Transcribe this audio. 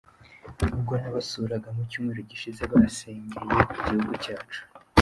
Ubwo nabasuraga mu cyumweru gishize basengeye igihugu cyacu.